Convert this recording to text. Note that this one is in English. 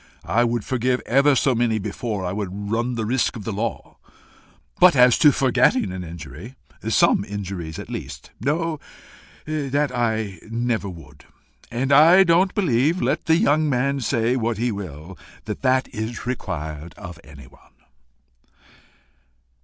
I would forgive ever so many before I would run the risk of the law. But as to FORGETTING an injury some injuries at least no, that I never would! And I don't believe, let the young man say what he will, that that is required of anyone."